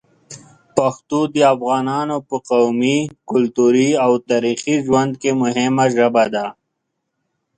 پښتو د افغانانو په قومي، کلتوري او تاریخي ژوند کې مهمه ژبه ده.